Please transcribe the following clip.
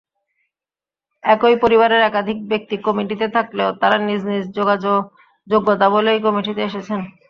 একই পরিবারের একাধিক ব্যক্তি কমিটিতে থাকলেও তাঁরা নিজ নিজ যোগ্যতাবলেই কমিটিতে এসেছেন।